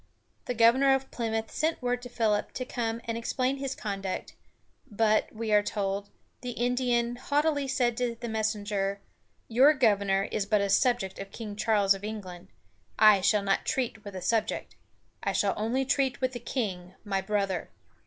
The governor of Plymouth sent word to Philip to come and explain his conduct, but, we are told, the Indian haughtily said to the messenger: "Your governor is but a subject of King Charles of England. I shall not treat with a subject. I shall only treat with the king, my brother.